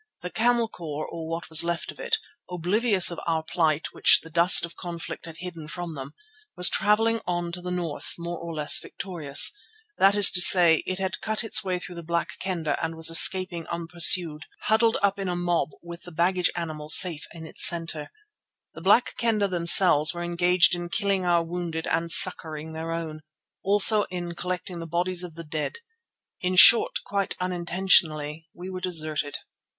The camel corps, or what was left of it, oblivious of our plight which the dust of conflict had hidden from them, was travelling on to the north, more or less victorious. That is to say, it had cut its way through the Black Kendah and was escaping unpursued, huddled up in a mob with the baggage animals safe in its centre. The Black Kendah themselves were engaged in killing our wounded and succouring their own; also in collecting the bodies of the dead. In short, quite unintentionally, we were deserted.